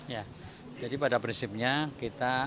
ya jadi pada prinsipnya kita